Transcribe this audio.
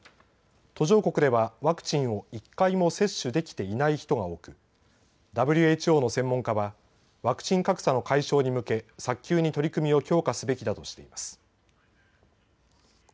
途上国ではワクチンを１回も接種できていない人が多くＷＨＯの専門家はワクチン格差の解消に向け早急に取り組みを強化すべきだとしています。